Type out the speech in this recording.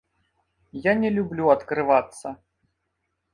Я не люблю адкрывацца.